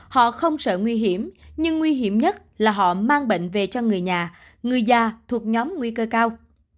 họ không sợ nguy hiểm nhưng nguy hiểm nhất là họ mang bệnh về cho người nhà người già thuộc nhóm nguy cơ cao